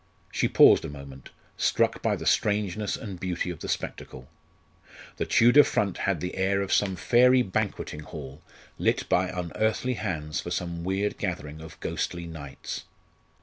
She paused a moment, struck by the strangeness and beauty of the spectacle. The Tudor front had the air of some fairy banqueting hall lit by unearthly hands for some weird gathering of ghostly knights.